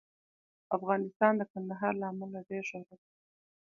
افغانستان د کندهار له امله ډېر شهرت لري.